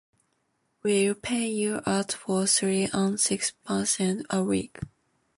We’ll pay you out for three-and-sixpence a week.